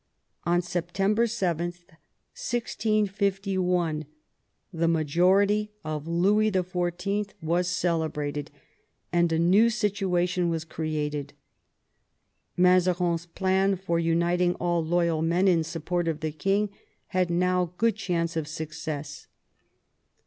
On September 7, 1651, the majority of Louis XIV. was celebrated, and a new situa tion was created. Mazarin's plan for uniting all loyal men in support of the king had now good chance of success.